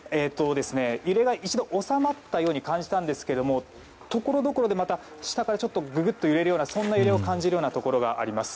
揺れは一度収まったように感じたんですがところどころで下からググっとくるそんな揺れを感じるところがあります。